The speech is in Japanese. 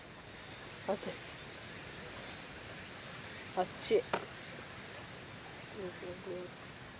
あっちい。